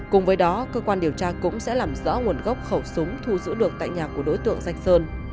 cùng với đó cơ quan điều tra cũng sẽ làm rõ nguồn gốc khẩu súng thu giữ được tại nhà của đối tượng danh sơn